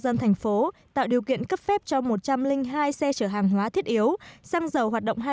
của thành phố tạo điều kiện cấp phép cho một trăm linh hai xe chở hàng hóa thiết yếu xăng dầu hoạt động hai mươi bốn